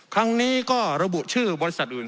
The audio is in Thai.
ครั้งนี้ก็ระบุชื่อบริษัทอื่น